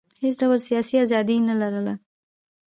هېڅ ډول سیاسي ازادي یې نه لرله.